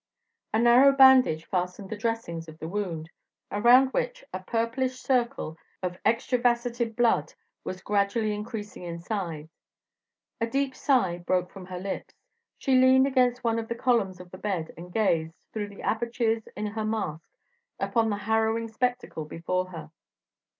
A narrow bandage fastened the dressings of the wound, around which a purplish circle of extravasated blood was gradually increasing in size. A deep sigh broke from her lips. She leaned against one of the columns of the bed, and gazed, through the apertures in her mask, upon the harrowing spectacle before her.